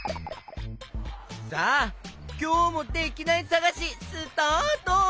さあきょうもできないさがしスタート！